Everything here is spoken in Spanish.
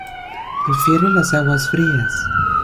Prefiere las aguas frías.